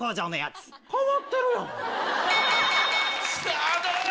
さぁどうだ？